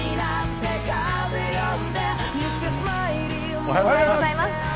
おはようございます。